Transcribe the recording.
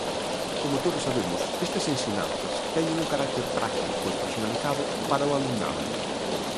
Como todos sabemos, estas ensinanzas teñen un carácter práctico e personalizado para o alumnado.